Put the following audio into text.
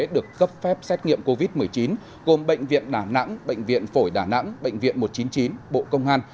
được cấp phép xét nghiệm covid một mươi chín gồm bệnh viện đà nẵng bệnh viện phổi đà nẵng bệnh viện một trăm chín mươi chín bộ công an